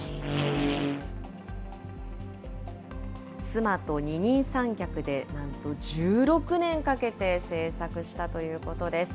妻と二人三脚で、なんと１６年かけて製作したということです。